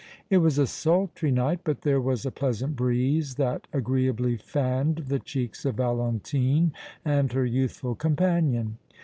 It was a sultry night, but there was a pleasant breeze that agreeably fanned the cheeks of Valentine and her youthful companion.